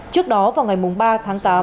trước đó vào ngày ba tháng tám